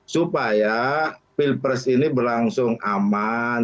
supaya pilpres ini berlangsung aman